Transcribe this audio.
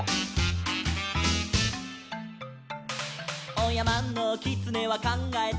「おやまのきつねはかんがえた」